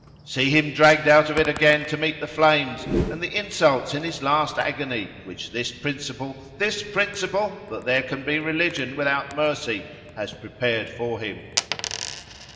]—"See him dragged out of it again to meet the flames, and the insults in his last agonies, which this principle,—this principle, that there can be religion without mercy, has prepared for him."